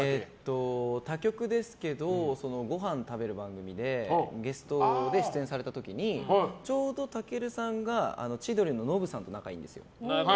他局ですけどごはん食べる番組でゲストで出演された時にちょうど健さんが千鳥のノブさんと仲がいいんですよ。